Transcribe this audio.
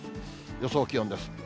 予想気温です。